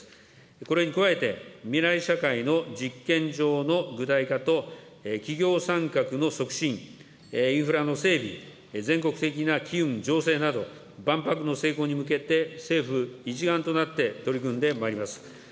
これに加えて未来社会の実験場の具体化と、企業参画の促進、インフラの整備、全国的な機運醸成など、万博の成功に向けて政府一丸となって、取り組んでまいります。